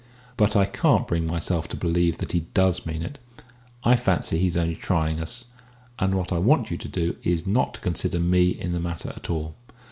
But I can't bring myself to believe that he does mean it. I fancy he's only trying us. And what I want you to do is not to consider me in the matter at all."